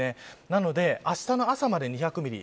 なのであしたの朝まで２００ミリ